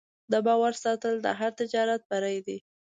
د باور ساتل د هر تجارت بری دی.